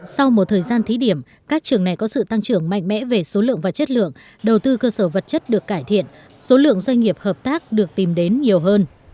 sau một thời gian thí điểm các trường này có sự tăng trưởng mạnh mẽ về số lượng và chất lượng đầu tư cơ sở vật chất được cải thiện số lượng doanh nghiệp hợp tác được tìm đến nhiều hơn